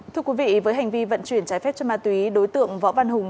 thưa quý vị với hành vi vận chuyển trái phép cho ma túy đối tượng võ văn hùng